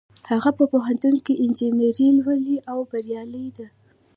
هغه په پوهنتون کې انجینري لولي او بریالۍ ده